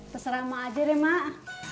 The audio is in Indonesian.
terserah emak aja deh mak